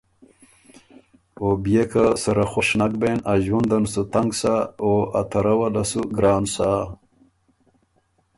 او بيې که سره خوش نک بېن ا ݫوُندن سُو تنګ سۀ او ا ترؤ له سُو ګران سۀ